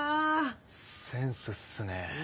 センスっすねえ。